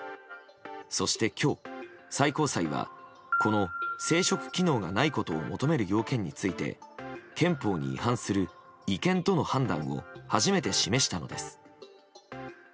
そして今日、最高裁はこの生殖機能がないことを求める要件について憲法に違反する違憲との判断を初めて示したのです。